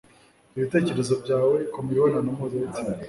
Ibitekerezo byawe ku mibonano mpuzabitsina.